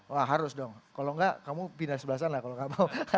wah harus dong kalau enggak kamu pindah sebelah sana kalau nggak mau